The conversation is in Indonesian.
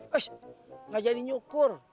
wesh gak jadi nyukur